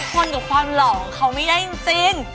ทนกับความหล่อของเขาไม่ได้จริง